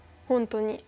本当に？